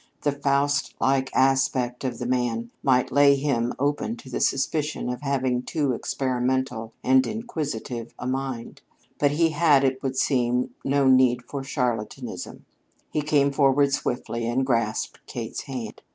The Faust like aspect of the man might lay him open to the suspicion of having too experimental and inquisitive a mind. But he had, it would seem, no need for charlatanism. He came forward swiftly and grasped Kate's hand.